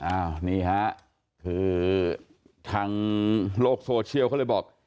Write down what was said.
ให้อภัยแล้วจะมีความสุขอ้าวนี่ฮะคือทางโลกโซเชียลเขาเลยบอก